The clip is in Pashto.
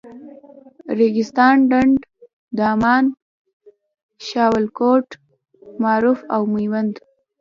ریګستان، ډنډ، دامان، شاولیکوټ، معروف او میوند.